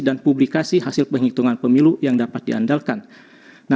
dan publikasi hasil penghitungan pemilu yang dapat diandalkan